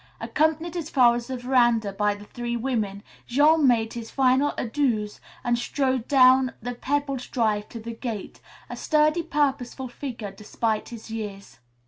Accompanied as far as the veranda by the three women, Jean made his final adieus and strode down the pebbled drive to the gate, a sturdy, purposeful figure, despite his years.